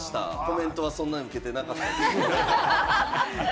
コメントはそんなにウケてなかったですけれども。